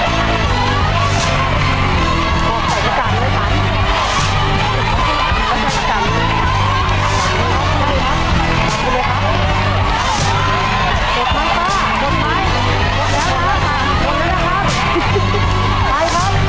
ขอบคุณครับ